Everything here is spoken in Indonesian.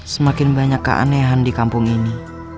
semakin banyak keanehan di kampung ini